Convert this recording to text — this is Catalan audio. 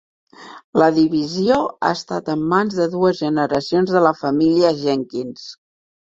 La divisió ha estat en mans de dues generacions de la família Jenkins.